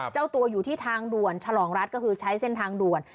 เจ้าตัวอยู่ที่ทางด่วนฉลองรัฐก็คือใช้เส้นทางด่วน